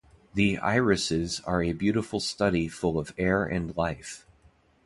The "Irises" are a beautiful study full of air and life.